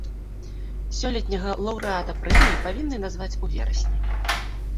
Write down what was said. Сёлетняга лаўрэата прэміі павінны назваць у верасні.